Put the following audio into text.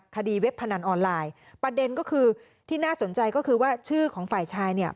เว็บพนันออนไลน์ประเด็นก็คือที่น่าสนใจก็คือว่าชื่อของฝ่ายชายเนี่ย